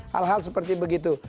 hal hal seperti begitu